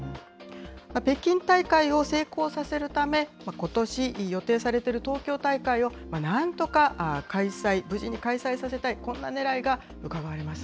北京大会を成功させるため、ことし予定されている東京大会をなんとか開催、無事に開催させたい、こんなねらいがうかがわれます。